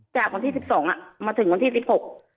จากวันที่สิบสองอ่ะมาถึงวันที่สิบหก